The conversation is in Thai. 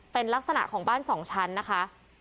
เป็นลักษณะของบ้านสองชั้นนะคะ